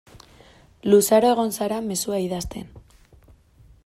Luzaro egon zara mezua idazten.